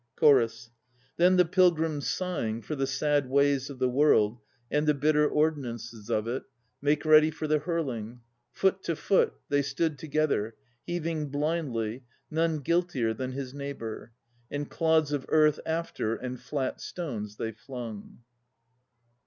CHORUS. Then the pilgrims sighing TANIKO 195 For the sad ways of the world And the bitter ordinances of it, Make ready for the hurling. Foot to foot They stood together Heaving blindly, None guiltier than his neighbour. And clods of earth after And flat stones they flung.